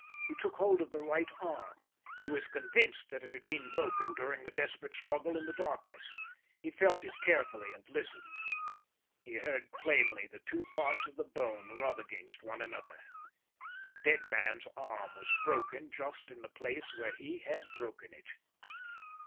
He took hold of the right arm. He was convinced that it had been broken during that desperate struggle in the darkness. He felt it carefully and listened. He heard plainly the two parts of the bone rub against one another. The dead man's arm was broken just in the place where he had broken it.